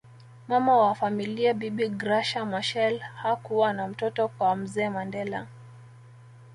Mama wa familia bibi Graca Michael hakuwa na mtoto kwa mzee Mandela